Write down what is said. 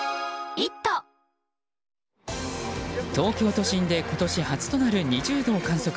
東京都心で今年初となる２０度を観測。